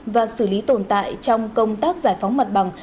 và xử lý tồn tại trong công tác giải phóng mặt bằng